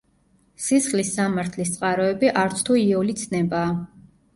სისხლის სამართლის წყაროები არცთუ იოლი ცნებაა.